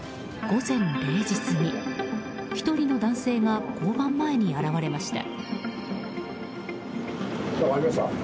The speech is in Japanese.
午前０時過ぎ、１人の男性が交番前に現れました。